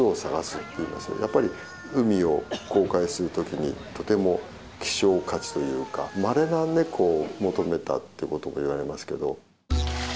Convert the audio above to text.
やっぱり海を航海する時にとても希少価値というかまれなネコを求めたっていうことがいわれますけど。